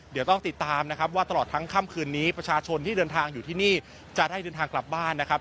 เดี๋ยวต้องติดตามนะครับว่าตลอดทั้งค่ำคืนนี้ประชาชนที่เดินทางอยู่ที่นี่จะได้เดินทางกลับบ้านนะครับ